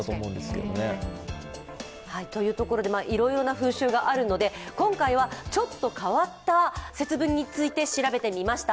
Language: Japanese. いろいろな風習があるので、今回はちょっと変わった節分について調べてみました。